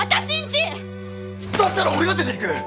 だったら俺が出ていく！